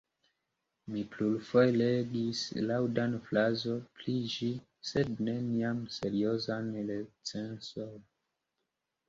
Mi plurfoje legis laŭdan frazon pri ĝi, sed neniam seriozan recenzon.